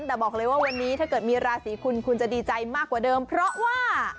แต่บอกเลยว่าวันนี้ถ้าเกิดมีราศีคุณคุณจะดีใจมากกว่าเดิมเพราะว่า